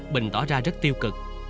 bình tỏ ra rất tiêu cực